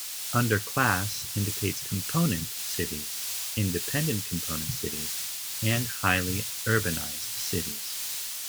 Under class, indicates Component cities, Independent Component cities, and Highly urbanized cities.